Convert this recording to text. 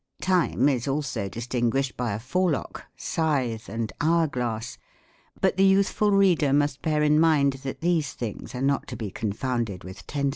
Time is also distinguished by a fore lock, scythe, and hour glass ; but the youthful reader must bear in mind, that these things are not to be confounded with tenses.